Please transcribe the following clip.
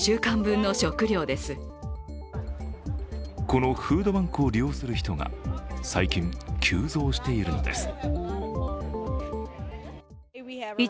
このフードバンクを利用する人が最近急増しているのです。